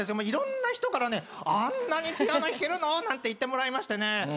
いろんな人からね「あんなにピアノ弾けるの？」なんて言ってもらいましてね。